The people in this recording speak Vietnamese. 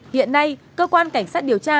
hiện nay cơ quan cảnh sát điều tra